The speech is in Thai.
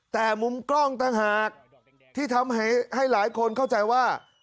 แต่มุมกล้องต่างหากที่ทำให้หลายคนเข้าใจว่า